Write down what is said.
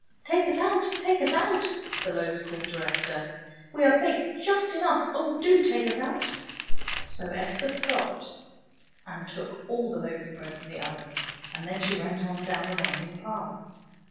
" Take us out! Take us out! " the loaves called to Esther. "We are baked just enough. Oh, do take us out! " So Esther stopped and took all the loaves of bread from the oven, and then she went on down the winding path.